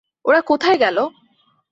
ওরা কোথায় গেল?